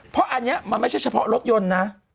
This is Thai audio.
เพราะอันนี้มันไม่ใช่เฉพาะรถยนต์นะ